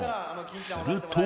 すると。